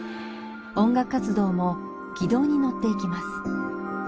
音楽活動も軌道に乗っていきます。